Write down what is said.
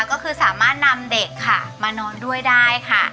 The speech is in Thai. ก็คือสามารถนำเด็กค่ะมานอนด้วยได้ค่ะ